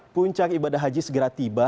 puncak ibadah haji segera tiba